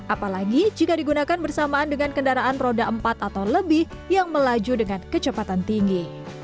apalagi jika digunakan bersamaan dengan kendaraan roda empat atau lebih yang melaju dengan kecepatan tinggi